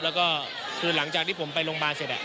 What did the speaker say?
แล้วก็คือหลังจากที่ผมไปโรงพยาบาลเสร็จ